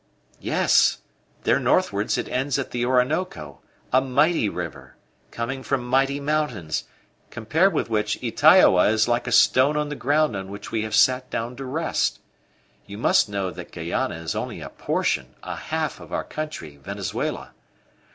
"Yes; there northwards it ends at the Orinoco, a mighty river, coming from mighty mountains, compared with which Ytaioa is like a stone on the ground on which we have sat down to rest. You must know that guayana is only a portion, a half, of our country, Venezuela.